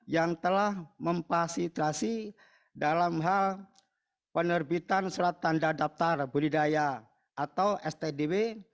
yang telah memfasitrasi dalam hal penerbitan surat tanda daftar budidaya atau stdw